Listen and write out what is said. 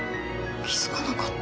気付かなかった。